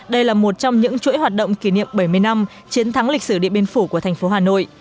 đây là một trong những chuỗi hoạt động kỷ niệm bảy mươi năm chiến thắng lịch sử điện biên phủ của thành phố hà nội